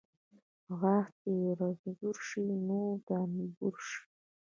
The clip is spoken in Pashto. غاښ چې رنځور شي، نور د انبور شي.